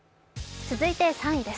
続いて３位です。